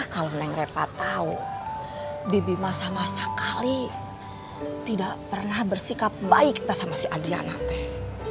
kalau neng repat tahu bibi masa masa kali tidak pernah bersikap baik pas sama si adriana teh